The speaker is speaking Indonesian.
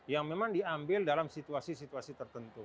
yang memang diambil dalam situasi situasi tertentu